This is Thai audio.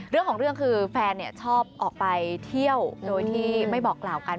เรื่องของเรื่องคือแฟนชอบออกไปเที่ยวโดยที่ไม่บอกกล่าวกัน